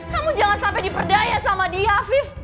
kamu jangan sampai diperdaya sama dia afif